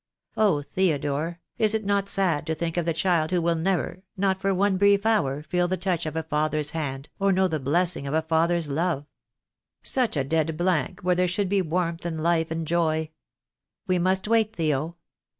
Oh, Theodore, is it not sad to think of the child who will never — not for one brief hour — feel the touch of a father's hand, or know the blessing of a father's love. Such a dead blank where there should be warmth and life and joy. We must wait, Theo.